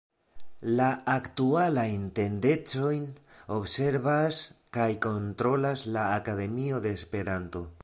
La aktualajn tendencojn observas kaj kontrolas la Akademio de Esperanto.